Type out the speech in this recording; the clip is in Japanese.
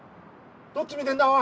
「どっち見てんだ？